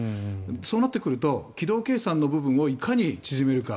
そうなってくると軌道計算の部分をいかに縮めるか。